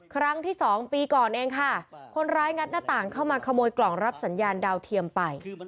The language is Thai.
ครั้งที่สองปีก่อนเองค่ะคนร้ายงัดหน้าต่างเข้ามาขโมยกล่องรับสัญญาณดาวเทียมไป